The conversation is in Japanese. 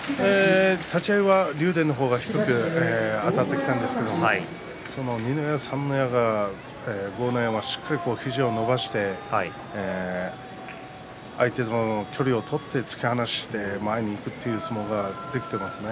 立ち合いは竜電の方が低くあたってきたんですけど二の矢三の矢が豪ノ山しっかり肘を伸ばして相手との距離を取って突き放して前にいくという相撲ができていますね。